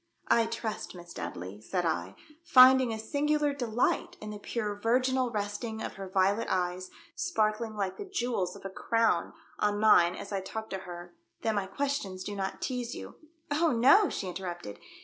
" I trust, Miss Dudley." said I, finding a singular delight in the pure virginal resting of her violet eyes, sparkling like the jewels of a crown, on mine as I talked to her, "that my questions do not tease you " "Oh, no!" she interrupted.